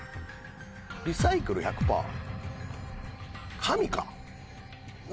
リサイクル１００パー。